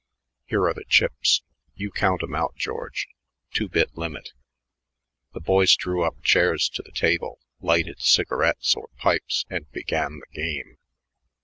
"Here are the chips. You count 'em out, George. Two bit limit." The boys drew up chairs to the table, lighted cigarettes or pipes, and began the game.